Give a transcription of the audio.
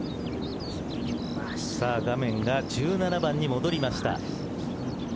画面が１７番に戻りました。